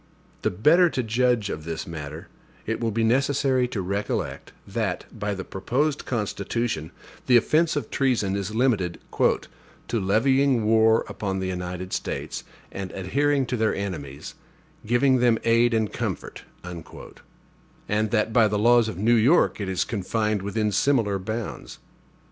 The better to judge of this matter, it will be necessary to recollect, that, by the proposed Constitution, the offense of treason is limited "to levying war upon the United States, and adhering to their enemies, giving them aid and comfort"; and that by the laws of New York it is confined within similar bounds.